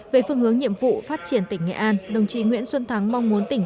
về phương hướng nhiệm vụ phát triển tỉnh nghệ an đồng chí nguyễn xuân thắng mong muốn tỉnh